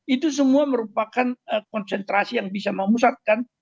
itu semua merupakan konsentrasi yang bisa memusatkan